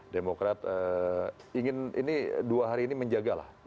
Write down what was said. demokrat ini dua hari ini menjagalah